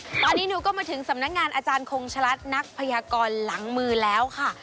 ตอนนี้หนูก็มาถึงสำนักงานอาจารย์คงชะลัดนักพยากรหลังมือแล้วค่ะ